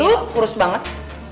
tuh kurus banget